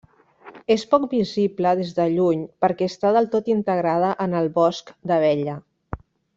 És poc visible des de lluny perquè està del tot integrada en el Bosc d'Abella.